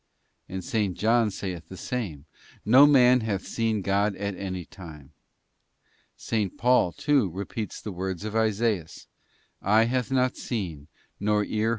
'§ And S. John saith the same, 'No man hath seen God at any time.' || S. Paul, too, repeats the words of Isaias, ' Eye hath not seen, * Ps, lxxxv.